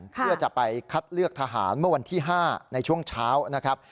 เพื่อจะไปคัดเลือกทหารเมื่อวันที่๕ในช่วงเช้านะครับ